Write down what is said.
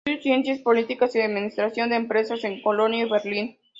Estudió ciencias políticas y administración de empresas en Colonia y Berlín.